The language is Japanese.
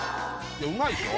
うまいでしょ？